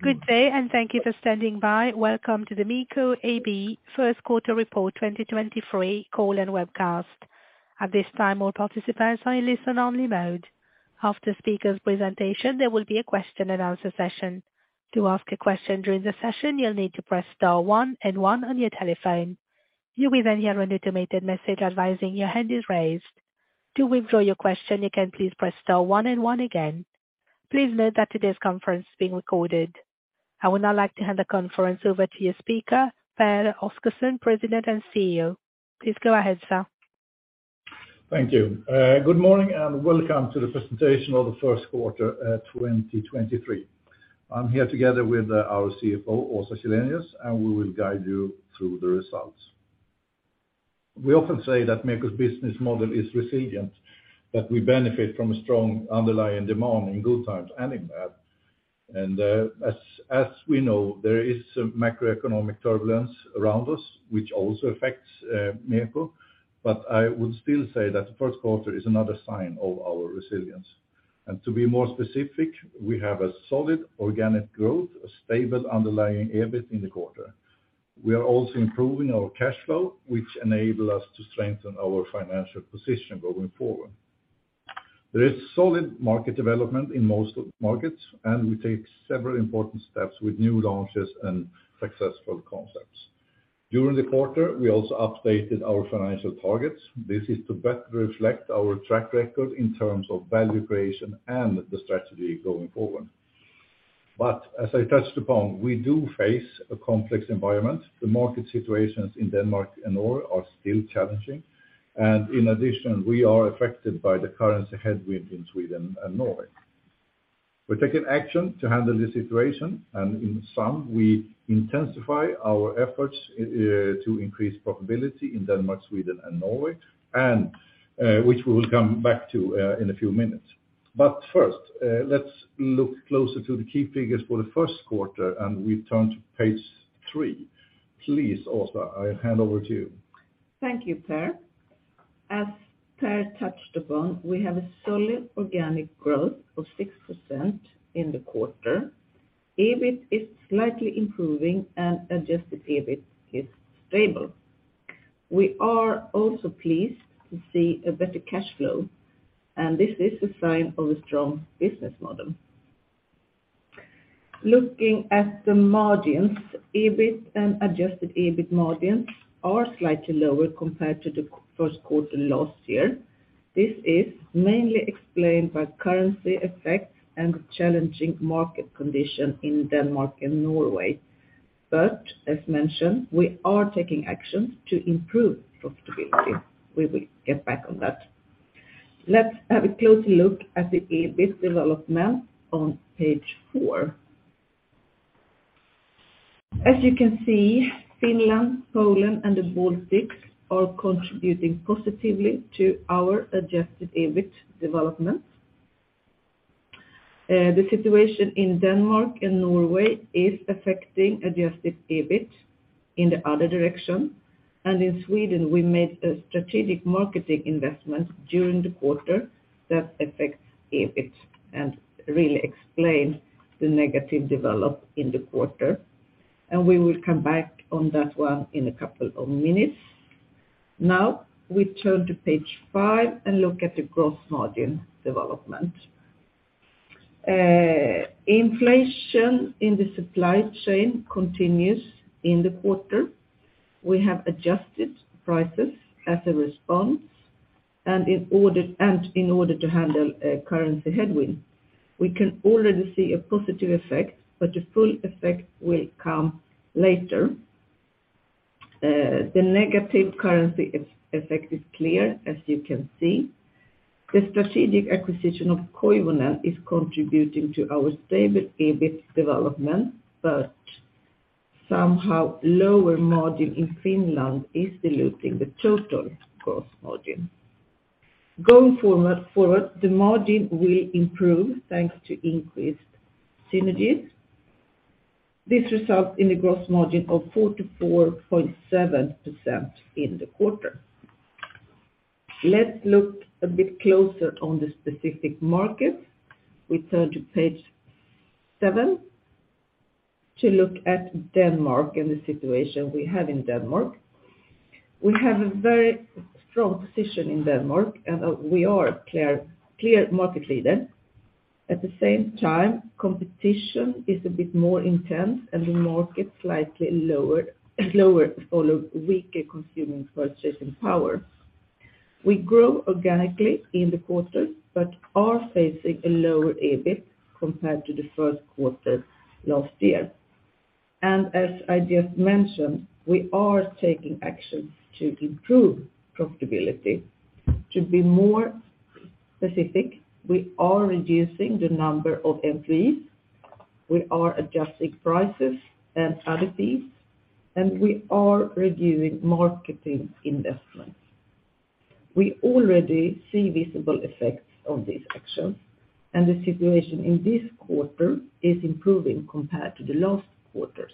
Good day, and thank you for standing by. Welcome to the MEKO AB First Quarter Report 2023 Call and Webcast. At this time, all participants are in listen-only mode. After speaker's presentation, there will be a question and answer session. To ask a question during the session, you'll need to press star one and one on your telephone. You will then hear an automated message advising your hand is raised. To withdraw your question, you can please press star one and one again. Please note that today's conference is being recorded. I would now like to hand the conference over to your speaker, Pehr Oscarson; President and CEO. Please go ahead, sir. Thank you. Good morning, and welcome to the presentation of the First Quarter 2023. I'm here together with our CFO; Åsa Källenius, and we will guide you through the results. We often say that MEKO's business model is resilient, that we benefit from a strong underlying demand in good times and in bad. As we know, there is some macroeconomic turbulence around us which also affects MEKO. I would still say that the first quarter is another sign of our resilience. To be more specific, we have a solid organic growth, a stable underlying EBIT in the quarter. We are also improving our cash flow, which enable us to strengthen our financial position going forward. There is solid market development in most markets, and we take several important steps with new launches and successful concepts. During the quarter, we also updated our financial targets. This is to better reflect our track record in terms of value creation and the strategy going forward. As I touched upon, we do face a complex environment. The market situations in Denmark and Norway are still challenging. In addition, we are affected by the currency headwind in Sweden and Norway. We're taking action to handle the situation, and in some, we intensify our efforts to increase profitability in Denmark, Sweden, and Norway, which we will come back to in a few minutes. First, let's look closer to the key figures for the first quarter, and we turn to page three. Please, Åsa, I hand over to you. Thank you, Pehr. As Pehr touched upon, we have a solid organic growth of 6% in the quarter. EBIT is slightly improving, adjusted EBIT is stable. We are also pleased to see a better cash flow, this is a sign of a strong business model. Looking at the margins, EBIT and adjusted EBIT margins are slightly lower compared to the first quarter last year. This is mainly explained by currency effects and challenging market conditions in Denmark and Norway. As mentioned, we are taking actions to improve profitability. We will get back on that. Let's have a closer look at the EBIT development on page four EBIT development. The situation in Denmark and Norway is affecting adjusted EBIT in the other direction. In Sweden, we made a strategic marketing investment during the quarter that affects EBIT and really explain the negative develop in the quarter. We will come back on that one in a couple of minutes. We turn to page five and look at the gross margin development. Inflation in the supply chain continues in the quarter. We have adjusted prices as a response, and in order to handle a currency headwind. We can already see a positive effect, but the full effect will come later. The negative currency effect is clear, as you can see. The strategic acquisition of Koivunen is contributing to our stable EBIT development, but somehow lower margin in Finland is diluting the total gross margin. Going forward, the margin will improve thanks to increased synergies. This results in a gross margin of 44.7% in the quarter. Let's look a bit closer on the specific market. We turn to page seven to look at Denmark and the situation we have in Denmark. We have a very strong position in Denmark, and we are clear market leader. At the same time, competition is a bit more intense and the market slightly lower follow weaker consuming purchasing power. We grow organically in the quarter, but are facing a lower EBIT compared to the first quarter last year. As I just mentioned, we are taking actions to improve profitability. To be more specific, we are reducing the number of employees, we are adjusting prices and other fees, and we are reviewing marketing investments. We already see visible effects of these actions, and the situation in this quarter is improving compared to the last quarters.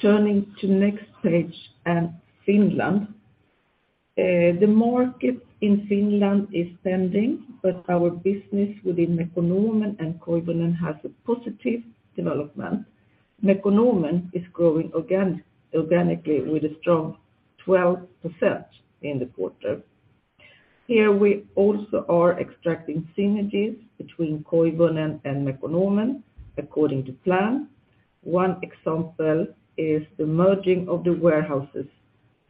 Turning to next page, Finland. The market in Finland is pending, but our business within Mekonomen and Koivunen has a positive development. Mekonomen is growing organically with a strong 12% in the quarter. Here we also are extracting synergies between Koivunen and Mekonomen according to plan. One example is the merging of the warehouses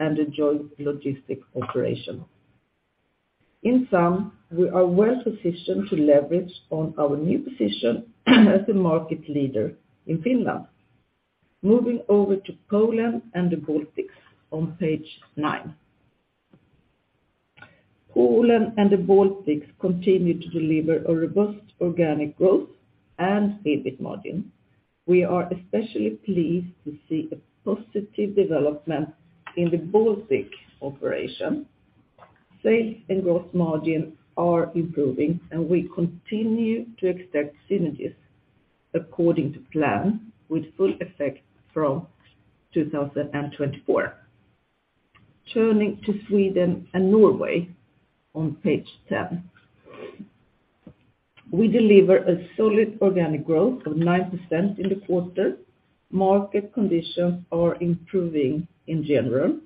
and the joint logistics operation. In sum, we are well positioned to leverage on our new position as a market leader in Finland. Moving over to Poland and the Baltics on page nine. Poland and the Baltics continue to deliver a robust organic growth and EBIT margin. We are especially pleased to see a positive development in the Baltic operation. Sales and gross margin are improving. We continue to extract synergies according to plan with full effect from 2024. Turning to Sweden and Norway on page 10. We deliver a solid organic growth of 9% in the quarter. Market conditions are improving in general.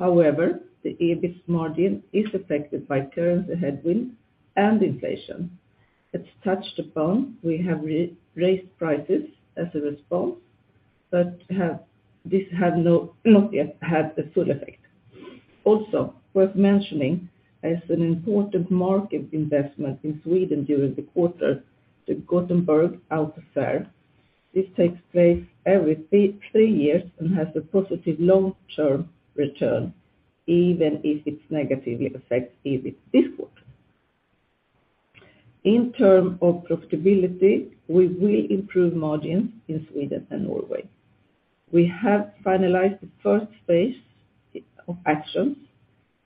However, the EBIT margin is affected by currency headwind and inflation. As touched upon, we have raised prices as a response, but this has not yet had the full effect. Worth mentioning as an important market investment in Sweden during the quarter, Automässan. This takes place every three years and has a positive long-term return, even if it negatively affects EBIT this quarter. In term of profitability, we will improve margin in Sweden and Norway. We have finalized the first phase of actions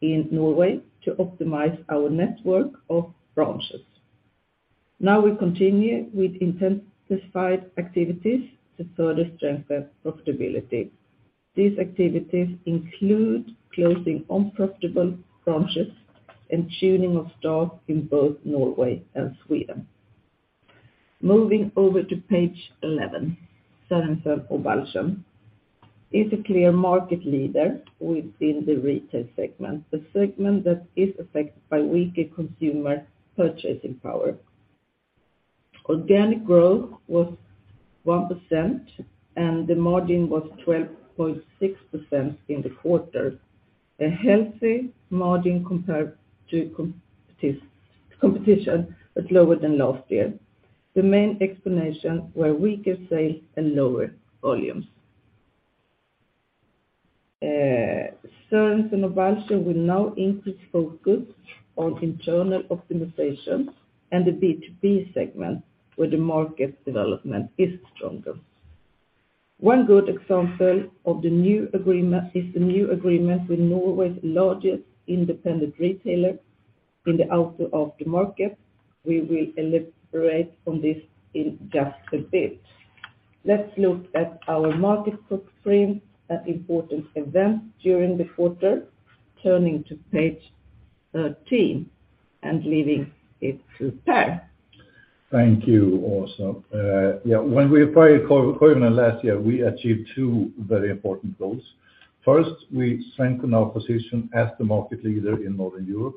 in Norway to optimize our network of branches. Now we continue with intensified activities to further strengthen profitability. These activities include closing unprofitable branches and tuning of stock in both Norway and Sweden. Moving over to page 11. Sørensen og Balchen is a clear market leader within the retail segment, the segment that is affected by weaker consumer purchasing power. Organic growth was 1%, the margin was 12.6% in the quarter, a healthy margin compared to the competition, but lower than last year. The main explanation were weaker sales and lower volumes. Sørensen og Balchen will now increase focus on internal optimization and the B2B segment, where the market development is stronger. One good example of the new agreement is the new agreement with Norway's largest independent retailer in the auto after market. We will elaborate on this in just a bit. Let's look at our market footprint and important events during the quarter, turning to page 13 and leaving it to Pehr. Thank you, Åsa. Yeah, when we acquired Koivunen last year, we achieved two very important goals. We strengthened our position as the market leader in Northern Europe.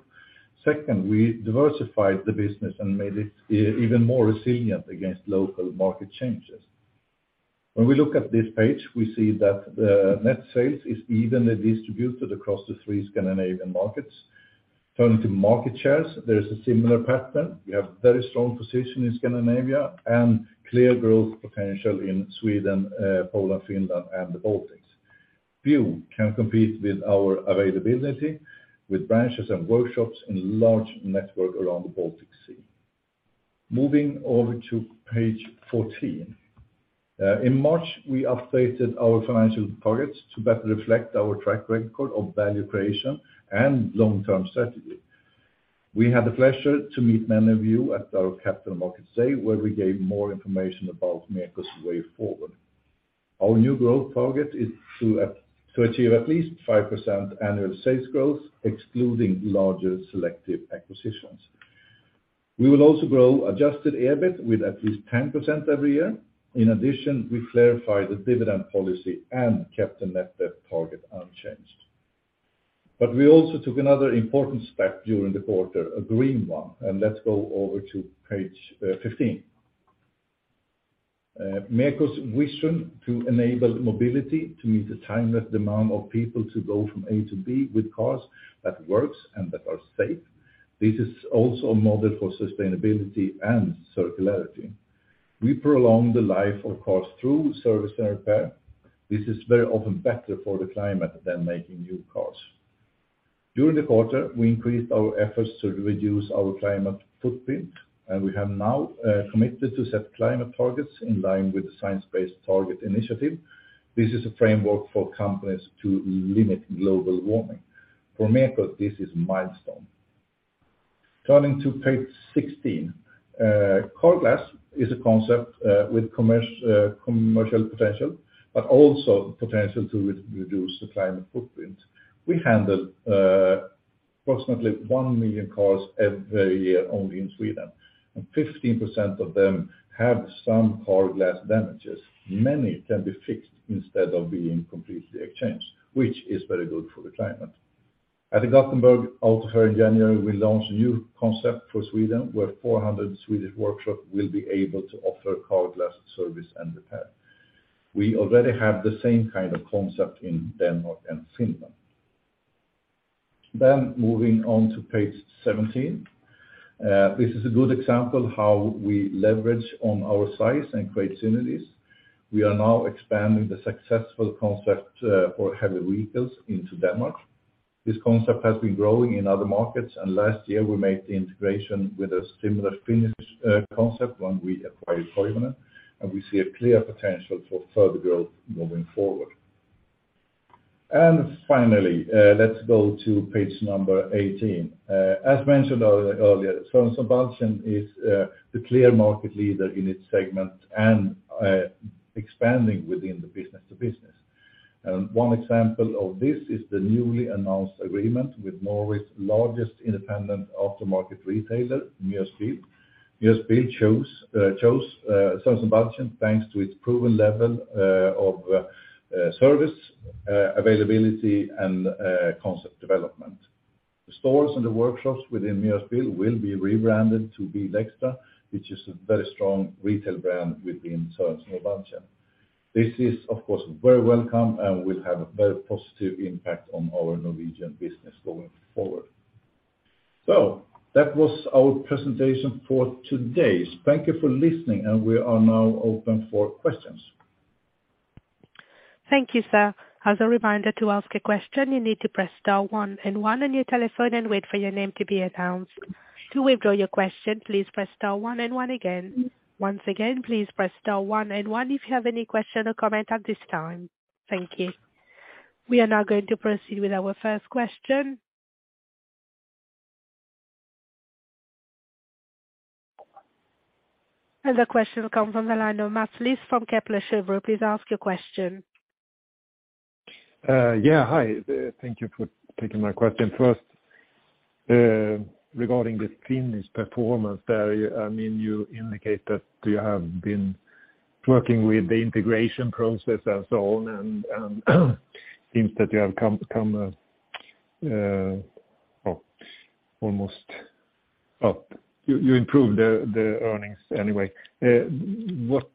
We diversified the business and made it even more resilient against local market changes. We look at this page, we see that the net sales is evenly distributed across the three Scandinavian markets. Turning to market shares, there is a similar pattern. We have very strong position in Scandinavia and clear growth potential in Sweden, Poland, Finland, and the Baltics. Few can compete with our availability with branches and workshops and large network around the Baltic Sea. Moving over to page 14. In March, we updated our financial targets to better reflect our track record of value creation and long-term strategy. We had the pleasure to meet many of you at our Capital Markets Day, where we gave more information about MEKO's way forward. Our new growth target is to achieve at least 5% annual sales growth, excluding larger selective acquisitions. We will also grow adjusted EBIT with at least 10% every year. In addition, we clarified the dividend policy and kept the net debt target unchanged. We also took another important step during the quarter, a green one, and let's go over to page 15. MEKO's vision to enable mobility to meet the timeless demand of people to go from A to B with cars that works and that are safe. This is also a model for sustainability and circularity. We prolong the life of cars through service and repair. This is very often better for the climate than making new cars. During the quarter, we increased our efforts to reduce our climate footprint. We have now committed to set climate targets in line with the Science-Based Targets initiative. This is a framework for companies to limit global warming. For MEKO's, this is a milestone. Turning to page 16. Car Glass is a concept with commercial potential, but also potential to reduce the climate footprint. We handle approximately 1 million cars every year, only in Sweden. 15% of them have some Car Glass damages. Many can be fixed instead of being completely exchanged, which is very good for the climate. At the Gothenburg Automässan in January, we launched a new concept for Sweden, where 400 Swedish workshops will be able to offer Car Glass service and repair. We already have the same kind of concept in Denmark and Finland. Moving on to page 17. This is a good example how we leverage on our size and create synergies. We are now expanding the successful concept for heavy vehicles into Denmark. This concept has been growing in other markets. Last year we made the integration with a similar Finnish concept when we acquired Koivunen, and we see a clear potential for further growth moving forward. Finally, let's go to page number 18. As mentioned earlier, Sörensen og Balchen is the clear market leader in its segment and expanding within the business to business. One example of this is the newly announced agreement with Norway's largest independent aftermarket retailer, Miersbil. Miersbil chose Söderberg & Buksten thanks to its proven level of service, availability and concept development. The stores and the workshops within Miersbil will be rebranded to BilXtra, which is a very strong retail brand within Söderberg & Buksten. This is of course very welcome and will have a very positive impact on our Norwegian business going forward. That was our presentation for today. Thank you for listening and we are now open for questions. Thank you, sir. As a reminder to ask a question, you need to press star one and one on your telephone and wait for your name to be announced. To withdraw your question, please press star one and one again. Once again, please press star one and one fromif you have any question or comment at this time. Thank you. We are now going to proceed with our first question. The question comes on the line of Mats Liss from Kepler Cheuvreux. Please ask your question. Yeah, hi. Thank you for taking my question. First, regarding the Finnish performance there, I mean, you indicate that you have been working with the integration process and so on, and, seems that you have come almost up. You improved the earnings anyway. What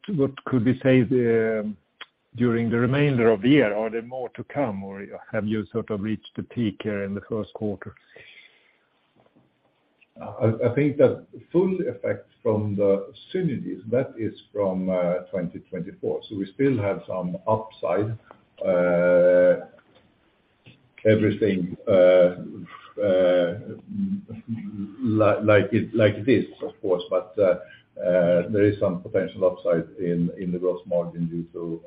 could we say during the remainder of the year? Are there more to come, or have you sort of reached the peak in the first quarter? I think the full effect from the synergies, that is from 2024. We still have some upside. Everything like it, like this of course, but there is some potential upside in the gross margin due to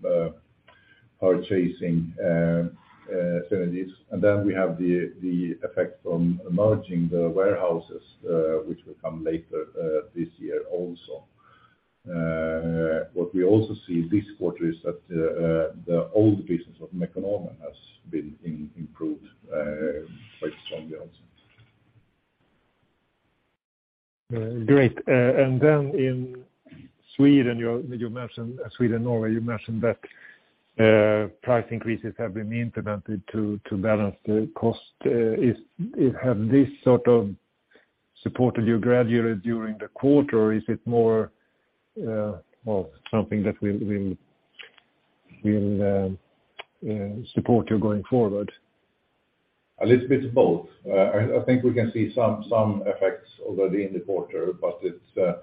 the purchasing synergies. We have the effect from merging the warehouses, which will come later this year also. What we also see this quarter is that the old business of Mekonomen has also improved quite strongly. Great. Then in Sweden, you mentioned Sweden, Norway, you mentioned that price increases have been implemented to balance the cost. Have this sort of supported you gradually during the quarter, or is it more, something that will support you going forward? A little bit of both. I think we can see some effects already in the quarter, but it's, there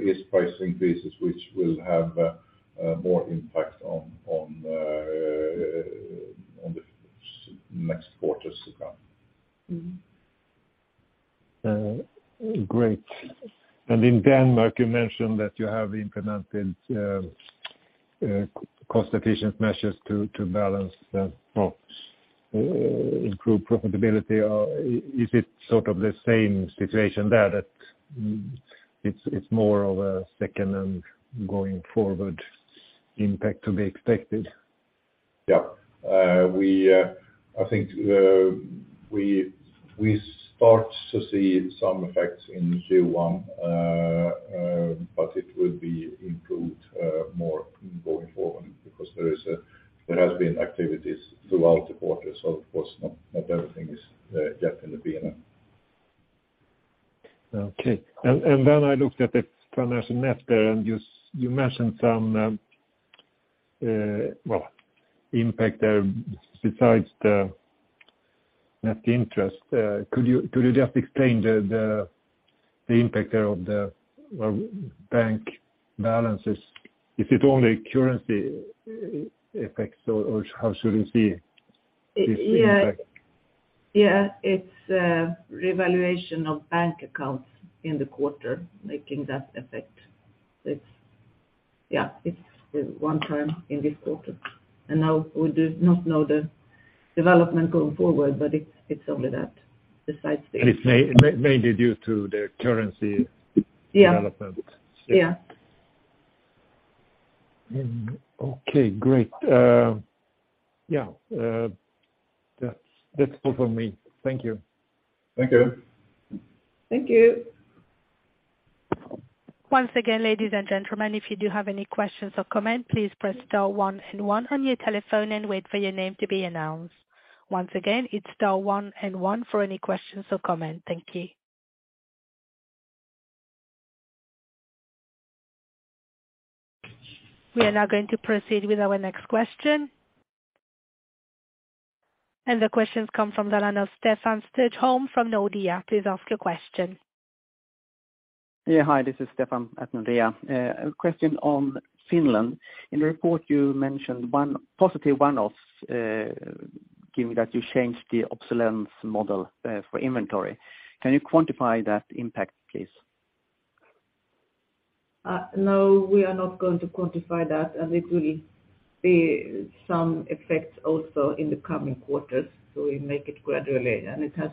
is price increases which will have more impact on the next quarters to come. Great. In Denmark, you mentioned that you have implemented cost efficient measures to balance the improve profitability. Is it sort of the same situation there that, it's more of a second and going forward impact to be expected? We, I think, we start to see some effects in Q1, but it will be improved more going forward because there has been activities throughout the quarter, so of course not everything is yet in the P&L. Okay. Then I looked at the financial net there, and you mentioned some, well, impact there besides the net interest. Could you just explain the impact there of the, well, bank balances? Is it only currency effects, or how should we see this impact? Yeah. Yeah. It's a revaluation of bank accounts in the quarter making that effect. Yeah, it's one time in this quarter, and now we do not know the development going forward, but it's only that, the site fee. It's mainly due to the currency. Yeah Development? Yeah. Okay, great. That's all from me. Thank you. Thank you. Thank you. Once again, ladies and gentlemen, if you do have any questions or comment, please press star one and one on your telephone and wait for your name to be announced. Once again, it's star one and one for any questions or comments. Thank you. We are now going to proceed with our next question. The question comes from the line of Stefan Stjernholm from Nordea. Please ask your question. Yeah, hi, this is Stefan at Nordea. A question on Finland. In the report you mentioned positive one-offs, given that you changed the obsolescence model, for inventory. Can you quantify that impact, please? no, we are not going to quantify that, and it will be some effects also in the coming quarters, so we make it gradually, and it has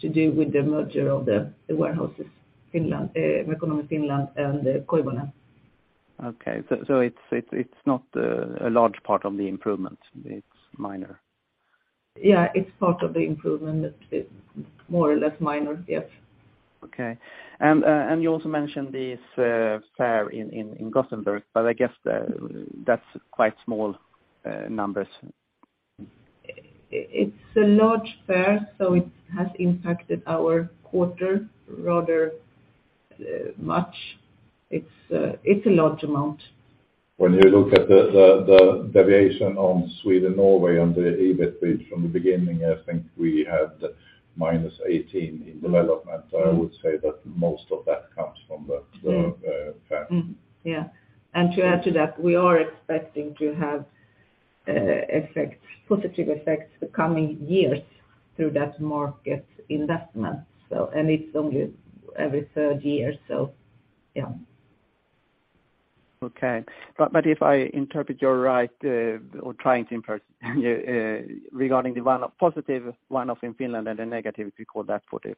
to do with the merger of the warehouses, Finland, Mekonomen Finland and Koivunen.quite a bitin Okay. It's not a large part of the improvement. It's minor. Yeah. It's part of the improvement. It's more or less minor, yes. Okay. You also mentioned this fair in Gothenburg, but I guess that's quite small numbers. It's a large fair. It has impacted our quarter rather much. It's a large amount. When you look at the variation on Sweden, Norway, and the EBIT from the beginning, I think we had -18 in development. I would say that most of that comes from the fair. Yeah. To add to that, we are expecting to have effects, positive effects the coming years through that market investment. It's only every third year, so yeah. If I interpret you're right, or trying to interpret, regarding the one of positive one-off in Finland and the negative we call that for the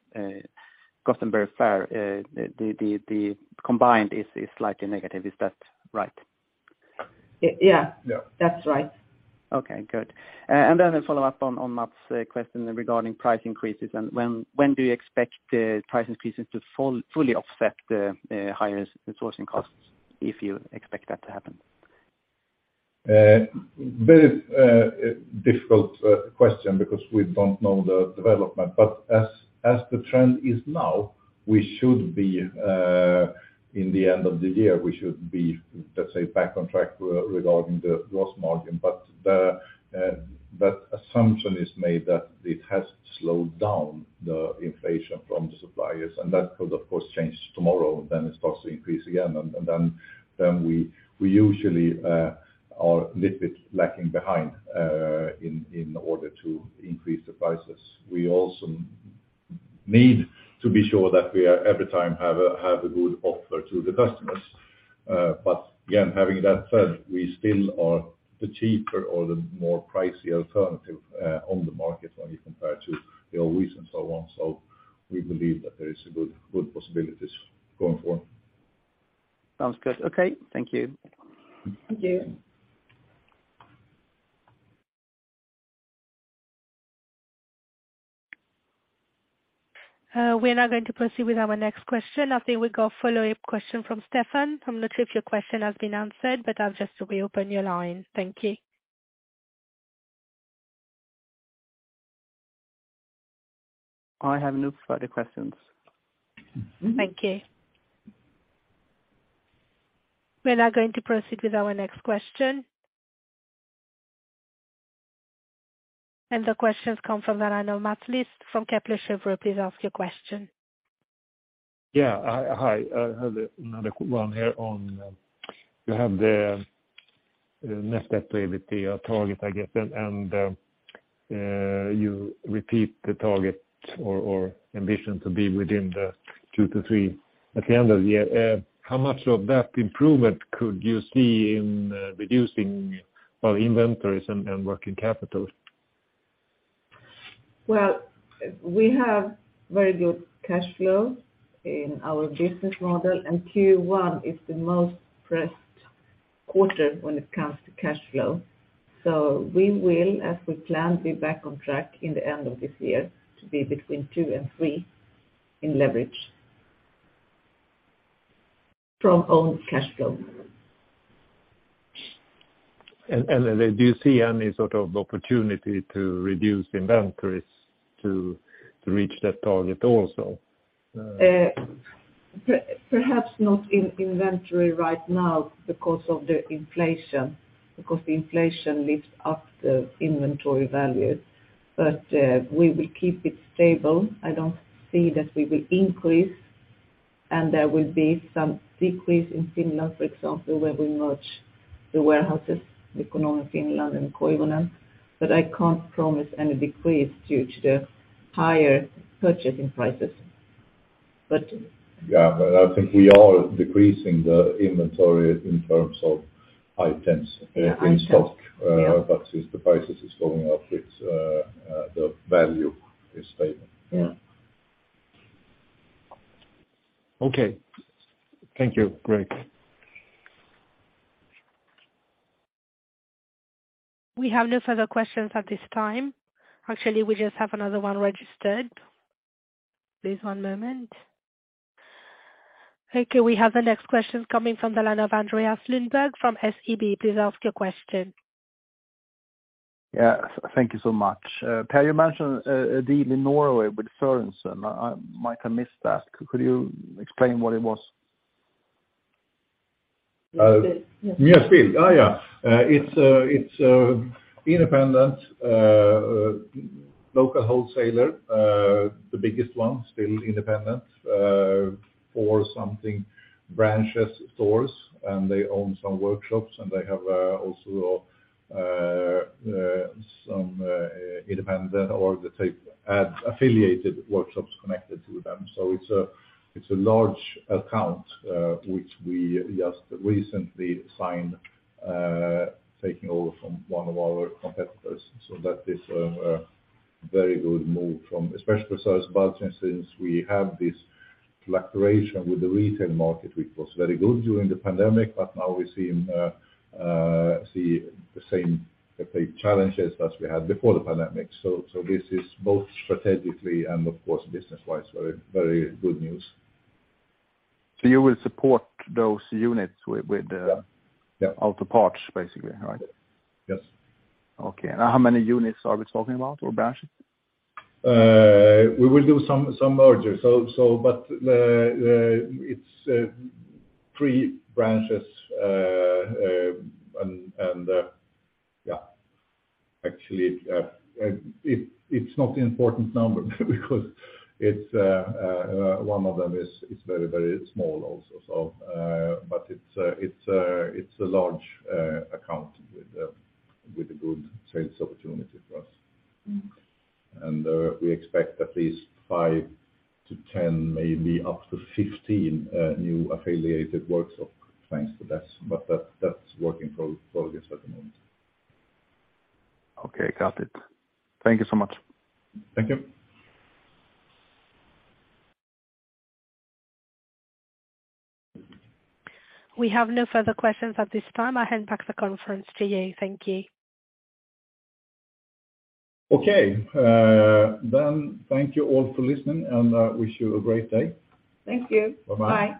Gothenburg fair, the combined is slightly negative. Is that right? Yeah. Yeah. That's right. Okay, good. A follow-up on Mats' question regarding price increases and when do you expect the price increases to fully offset the higher sourcing costs, if you expect that to happen? Very difficult question because we don't know the development. As, as the trend is now, we should be in the end of the year, we should be, let's say, back on track regarding the gross margin. Assumption is made that it has slowed down the inflation from the suppliers, and that could, of course, change tomorrow, then it starts to increase again. Then, then we usually are a little bit lacking behind in order to increase the prices. We also need to be sure that we are every time have a good offer to the customers. Again, having that said, we still are the cheaper or the more pricey alternative on the market when you compare to the OES and so on. We believe that there is a good possibilities going forward. Sounds good. Okay. Thank you. Thank you. We are now going to proceed with our next question. I think we got follow-up question from Stefan. I'm not sure if your question has been answered, but I'll just reopen your line. Thank you. I have no further questions. Thank you. We are now going to proceed with our next question. The question comes from the line of Mats Liss from Kepler Cheuvreux. Please ask your question. Yeah. Hi. I have another one here on, you have the net debt pay with the target, I guess. You repeat the target or ambition to be within the two-three at the end of the year. How much of that improvement could you see in reducing our inventories and working capital? We have very good cash flow in our business model. Q1 is the most pressing quarter when it comes to cash flow. We will, as we plan, be back on track in the end of this year to be between two and three in leverage from own cash flow. Do you see any sort of opportunity to reduce inventories to reach that target also? Perhaps not in inventory right now because of the inflation, because the inflation lifts up the inventory value. We will keep it stable. I don't see that we will increase, and there will be some decrease in Finland, for example, where we merge the warehouses, Mekonomen Finland and Koivunen. I can't promise any decrease due to the higher purchasing prices. Yeah, I think we are decreasing the inventory in terms of items in stock. Yeah. Since the prices is going up, it's, the value is stable. Yeah. Okay. Thank you. Great. We have no further questions at this time. Actually, we just have another one registered. Please, one moment. Okay, we have the next question coming from the line of Andreas Lundberg from SEB. Please ask your question. Yes, thank you so much. Pehr, you mentioned, a deal in Norway with Sørensen. I might have missed that. Could you explain what it was? Uh. Mjosbil. Mjosbil. Oh, yeah. It's a independent local wholesaler, the biggest one, still independent, four something branches, stores, and they own some workshops, and they have also some independent or affiliated workshops connected to them. It's a large account which we just recently signed, taking over from one of our competitors. That is a very good move from, especially for us, but since we have this fluctuation with the retail market, which was very good during the pandemic, but now we're seeing the same challenges as we had before the pandemic. This is both strategically and, of course, business-wise, very good news. You will support those units with. Yeah. auto parts, basically, right? Yes. Okay. Now, how many units are we talking about or branches? We will do some merger. It's three branches and yeah. Actually, it's not important number because it's one of them is very, very small also. It's a large account with a good sales opportunity for us. Mm-hmm. We expect at least five-10, maybe up to 15 new affiliated workshop thanks to that. That's working for this at the moment. Okay, got it. Thank you so much. Thank you. We have no further questions at this time. I hand back the conference to you. Thank you. Okay. Thank you all for listening, and I wish you a great day. Thank you. Bye-bye. Bye.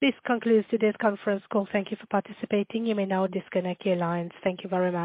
This concludes today's conference call. Thank you for participating. You may now disconnect your lines. Thank you very much.